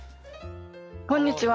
こんにちは。